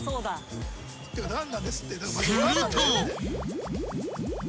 ［すると］